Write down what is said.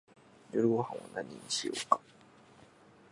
夜ごはんは何にしようか